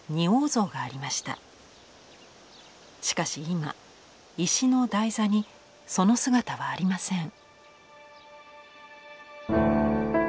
しかし今石の台座にその姿はありません。